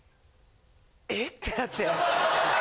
「え？」ってなって。